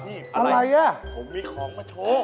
เดี๋ยวมาล่องเพศ